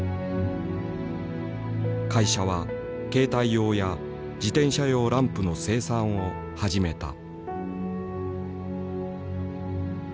会社は携帯用や自転車用ランプの生産を始めた。